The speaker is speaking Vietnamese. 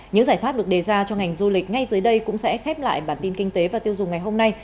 những giải pháp được đề ra cho ngành du lịch ngay dưới đây cũng sẽ khép lại bản tin kinh tế và tiêu dùng ngày hôm nay